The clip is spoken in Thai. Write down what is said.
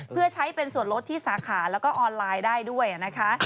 เพื่อใช้เป็นส่วนลดที่สาขาแล้วก็ออนไลน์ได้ด้วยนะคะ